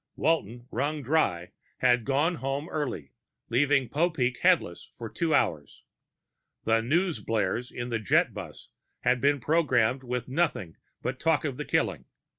Walton, wrung dry, had gone home early, leaving Popeek headless for two hours. The newsblares in the jetbus had been programmed with nothing but talk of the killing.